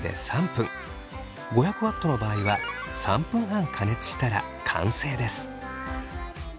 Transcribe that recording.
５００Ｗの場合は３分半加熱したら完成です。